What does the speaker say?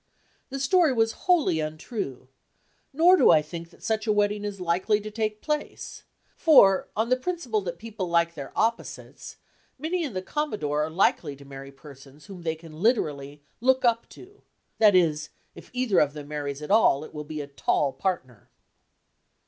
The story was wholly untrue, nor do I think that such a wedding is likely to take place, for, on the principle that people like their opposites, Minnie and the Commodore are likely to marry persons whom they can literally "look up to" that is, if either of them marries at all it will be a tall partner.